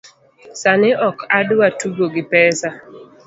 Sani ok adwa tugo gi pesa